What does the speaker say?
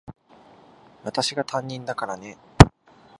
私が担任だからね。